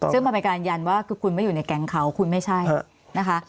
ซึ่งมันเป็นการยันว่าคือคุณไม่อยู่ในแก๊งเขาคุณไม่ใช่นะคะ